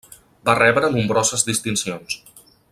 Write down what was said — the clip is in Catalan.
Va rebre nombroses distincions.